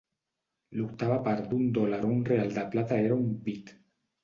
L'octava part d'un dòlar o un real de plata era un "bit".